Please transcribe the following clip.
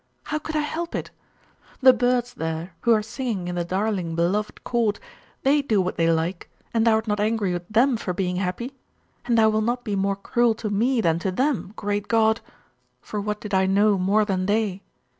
How could I help it? The birds there who are singing in the darling, beloved court they do what they like, and Thou art not angry with them for being happy! And Thou wilt not be more cruel to me than to them, great God for what did I know more than they?